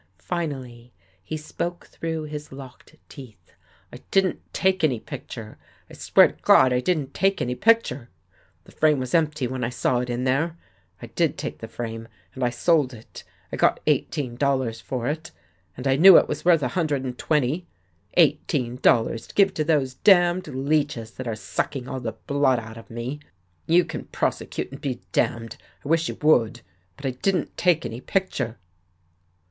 Finally, he spoke through his locked teeth. " I didn't take any picture. I swear to God I didn't take any picture. The frame was empty when I saw it there. I did take the frame and I sold it. I got eighteen dollars for it, and I knew 24 THE FIRST COVERT it was worth a hundred and twenty. Eighteen dol lars to give to those damned leeches that are suck ing all the blood out of me. You can prosecute, and be damned. I wish you would. But I didn't take any picture."